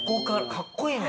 かっこいいね！